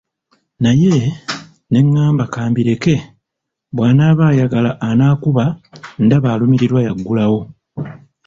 Naye ne ngamba ka mbireke bw'anaaba ayagala anaakuba ndaba alumirirwa y'aggulawo.